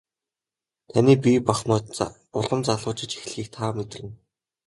Таны бие махбод улам залуужиж эхлэхийг та мэдэрнэ.